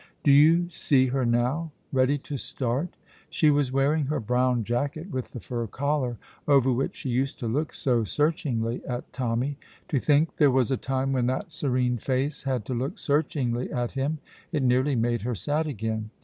Do you see her now, ready to start? She was wearing her brown jacket with the fur collar, over which she used to look so searchingly at Tommy. To think there was a time when that serene face had to look searchingly at him! It nearly made her sad again.